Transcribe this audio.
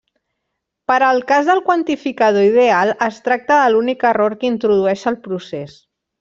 Per al cas del quantificador ideal es tracta de l'únic error que introdueix el procés.